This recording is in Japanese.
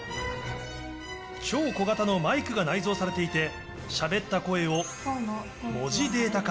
超小型のマイクが内蔵されていて、しゃべった声を文字データ化。